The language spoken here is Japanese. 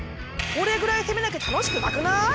これぐらい攻めなきゃ楽しくなくない？